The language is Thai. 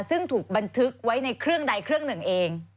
ซึ่งถูกบันทึกไว้ในเครื่องใดเครื่องหนึ่งเอง